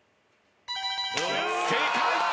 正解！